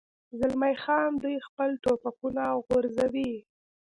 زلمی خان: دوی خپل ټوپکونه غورځوي.